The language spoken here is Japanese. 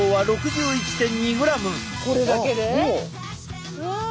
これだけで？わ！